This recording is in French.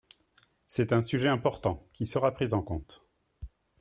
C’est un sujet important qui sera pris en compte.